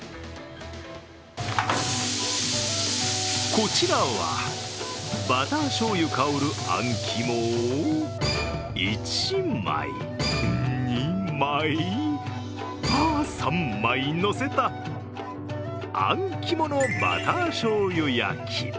こちらはバター醤油香るあん肝を、１枚、２枚、３枚のせたあん肝のバター醤油焼き。